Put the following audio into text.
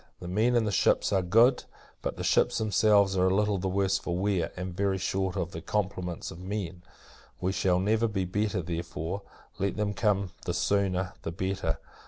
The men in the ships are good; but the ships themselves are a little the worse for wear, and very short of their complements of men. We shall never be better: therefore, let them come; the sooner, the better.